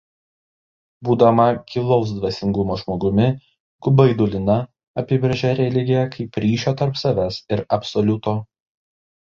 Būdama gilaus dvasingumo žmogumi Gubaidulina apibrėžia religiją kaip ryšio tarp savęs ir Absoliuto.